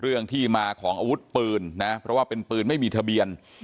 เรื่องที่มาของอาวุธปืนนะเพราะว่าเป็นปืนไม่มีทะเบียน